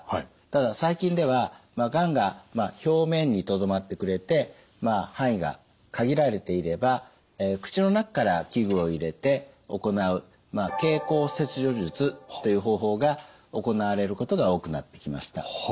ただ最近ではがんが表面にとどまってくれて範囲が限られていれば口の中から器具を入れて行う経口切除術という方法が行われることが多くなってきました。